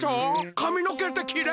かみのけってきれるの？